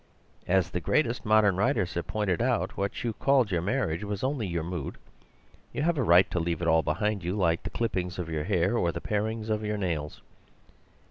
As the greatest modern writers have pointed out, what you called your marriage was only your mood. You have a right to leave it all behind, like the clippings of your hair or the parings of your nails.